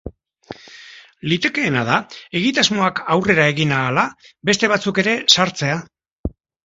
Litekeena da egitasmoak aurrera egin ahala, beste batzuk ere sartzea.